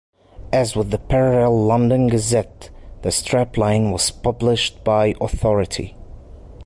As with the parallel "London Gazette", the strapline was "Published by Authority".